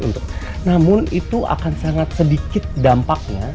namun itu akan sangat sedikit dampaknya